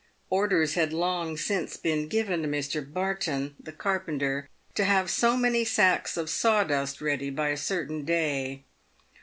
Orders had long since been given to Mr. Barton, the carpenter, to have so many sacks of sawdust ready by a certain day.